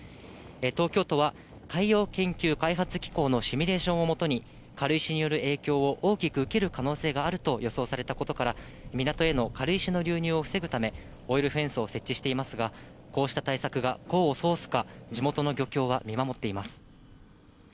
東京都は海洋研究開発機構のシミュレーションを基に、軽石による影響を大きく受ける可能性があると予想されたことから、港への軽石の流入を防ぐため、オイルフェンスを設置していますが、こうした対策が功を奏すか、地元の漁協は見守っています。